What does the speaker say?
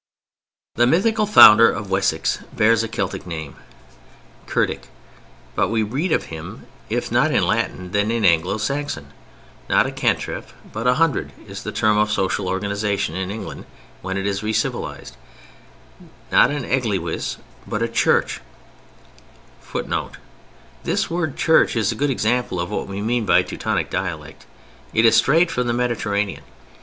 The mythical founder of Wessex bears a Celtic name, Cerdic: but we read of him if not in Latin then in Anglo Saxon. Not a cantref but a hundred is the term of social organization in England when it is re civilized; not an eglywys but a church [Footnote: This word "church" is a good example of what we mean by Teutonic dialect. It is straight from the Mediterranean.